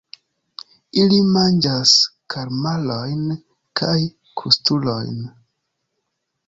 Ili manĝas kalmarojn kaj krustulojn.